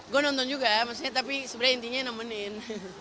gue nonton juga tapi sebenarnya intinya nemenin